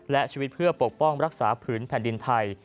และชีวิตเพื่อปกป้องรักษาผืนแผ่นดินไทย